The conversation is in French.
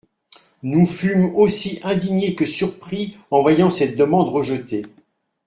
Nous fûmes aussi indignés que surpris en voyant cette demande rejetée.